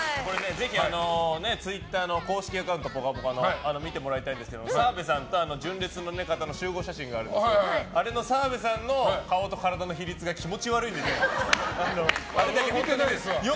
ぜひツイッターの公式アカウント「ぽかぽか」の見てもらいたいんですけど澤部さんと純烈の方の集合写真があるんですけどあれの澤部さんの顔と体の比率が気持ち悪いんですよ。